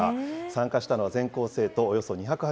参加したのは全校生徒およそ２８０人。